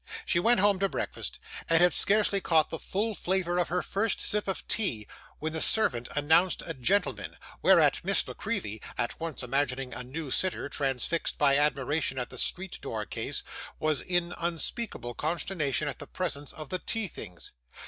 She went home to breakfast, and had scarcely caught the full flavour of her first sip of tea, when the servant announced a gentleman, whereat Miss La Creevy, at once imagining a new sitter transfixed by admiration at the street door case, was in unspeakable consternation at the presence of the tea things.